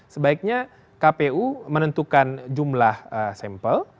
sebaiknya kpu menentukan jumlah sampel